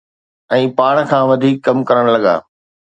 ۽ پاڻ کان وڌيڪ ڪم ڪرڻ لڳا.